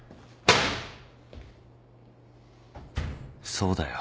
［そうだよ。